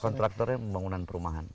kontraktornya pembangunan perumahan